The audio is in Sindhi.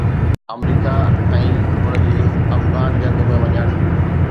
آمريڪا ۽ ان جي افغان جنگ ۾ وڃڻ.